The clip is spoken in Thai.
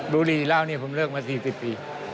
บุรีเหล้านี่ผมเลิกมา๔๐ปี